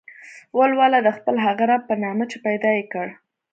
ولوله د خپل هغه رب په نامه چې پيدا يې کړ.